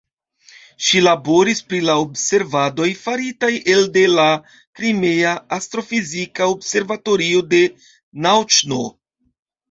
Ŝi laboris pri la observadoj faritaj elde la Krimea astrofizika observatorio de Nauĉno.